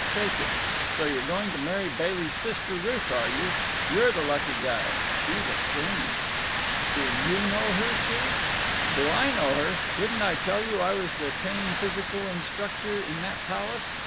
Shake it! So you're going to marry Bailey's sister, Ruth, are you? You're the lucky guy. She's a queen!" "Do you know her, Steve?" "Do I know her! Didn't I tell you I was the tame physical instructor in that palace?